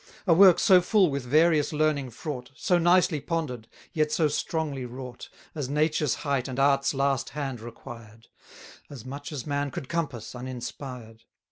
A work so full with various learning fraught, So nicely ponder'd, yet so strongly wrought, As nature's height and art's last hand required: As much as man could compass, uninspired.